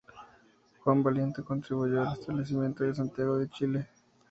Juan Valiente contribuyó al establecimiento de Santiago de Chile.